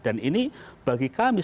dan ini bagi kami